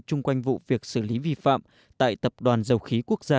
chung quanh vụ việc xử lý vi phạm tại tập đoàn dầu khí quốc gia